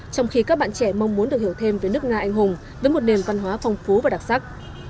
trong khi các bạn trẻ mong muốn được hiểu thêm về nước nga anh hùng với một nền văn hóa phong phú và đặc sắc